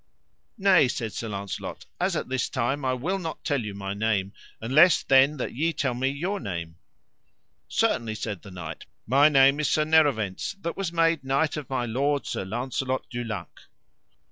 Nay, said Sir Launcelot, as at this time I will not tell you my name, unless then that ye tell me your name. Certainly, said the knight, my name is Sir Nerovens, that was made knight of my lord Sir Launcelot du Lake.